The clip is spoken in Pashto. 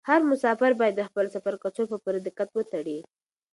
هر مسافر باید د خپل سفر کڅوړه په پوره دقت وتړي.